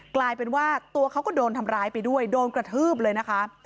กลายเป็นว่าตัวเขาก็โดนทำร้ายไปด้วยโดนกระทืบเลยนะคะ